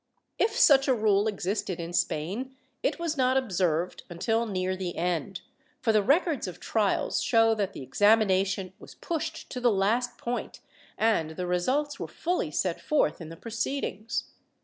^ If such a rule existed in Spain, it was not observed until near the end, for the records of trials show that the examination was pushed to the last point, and the results were fully set forth in the proceed ings.